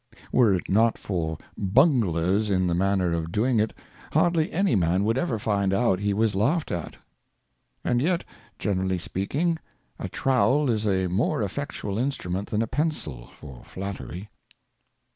Were it not for Bunglers in the manner of doing it, hardly any Man would ever find out he was laughed at. And yet, generally speaking, a Trowel is a more effectual Instrument than a Pencil for Flattery.